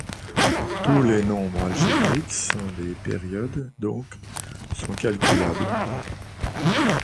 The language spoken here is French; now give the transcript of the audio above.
Tous les nombres algébriques sont des périodes donc sont calculables.